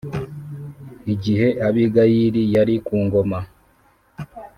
Igihe Abigayili yari ku ngoma